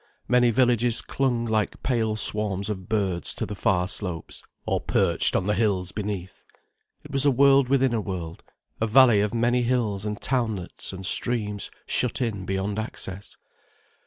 Many villages clung like pale swarms of birds to the far slopes, or perched on the hills beneath. It was a world within a world, a valley of many hills and townlets and streams shut in beyond access.